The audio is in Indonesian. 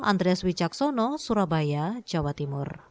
andres wijaksono surabaya jawa timur